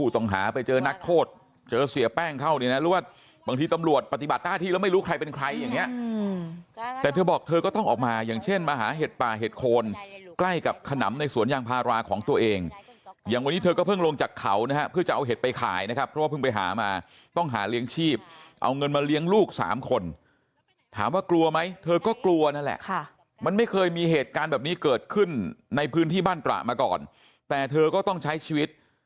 โทษเจอเสียแป้งเข้าดีนะรู้ว่าบางทีตำรวจปฏิบัติหน้าที่แล้วไม่รู้ใครเป็นใครอย่างเนี้ยแต่เธอบอกเธอก็ต้องออกมาอย่างเช่นมาหาเห็ดป่าเห็ดโคนใกล้กับขนำในสวนยางพาราของตัวเองอย่างวันนี้เธอก็เพิ่งลงจากเขานะฮะเพื่อจะเอาเห็ดไปขายนะครับเพราะว่าเพิ่งไปหามาต้องหาเลี้ยงชีพเอาเงินมาเลี้ยงลูกสามคนถามว